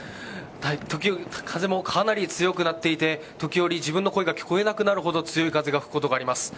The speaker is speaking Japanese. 時折、風もかなり強くなっていて自分の声が聞こえなくなるほど強い風が吹くこともあります。